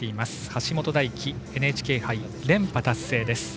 橋本大輝、ＮＨＫ杯連覇達成。